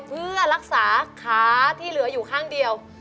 เพื่อรักษาขาที่เหลืออยู่ข้างเดียว